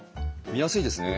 見やすいですね。